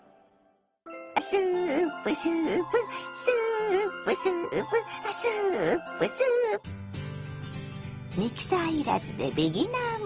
「スープスープスープスープ」「スープスー」ミキサー要らずでビギナー向け。